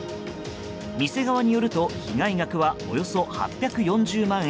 店側によると被害額は、およそ８４０万円。